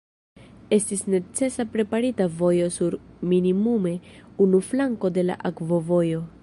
Estis necesa preparita vojo sur minimume unu flanko de la akvovojo.